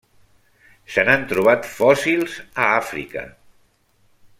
Se n'han trobat fòssils a Àfrica.